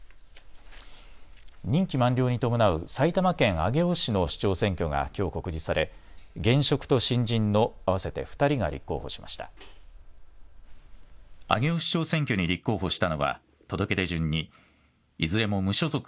任期満了に伴う埼玉県上尾市の市長選挙がきょう告示され現職と新人の合わせて２人が立候補しました。